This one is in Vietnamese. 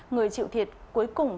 người chịu thiệt cuối cùng